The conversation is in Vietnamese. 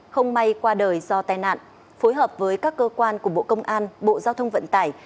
không may qua đời do tai nạn phối hợp với các cơ quan của bộ công an bộ giao thông vận tải